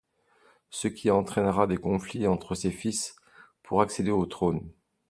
Ce qui entraînera des conflits entre ses fils pour accéder au trône.